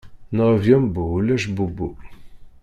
Nɣeb ɣembu ulac bubbu.